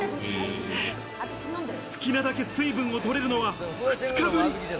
好きなだけ水分をとれるのは２日ぶり。